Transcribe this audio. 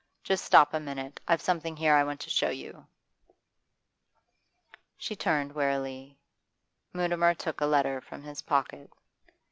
'Just stop a minute. I've something here I want to show you.' She turned wearily. Mutimer took a letter from his pocket.